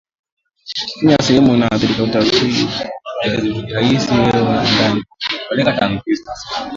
Ukifinya sehemu iliyoathirika utahisi hewa ya ndani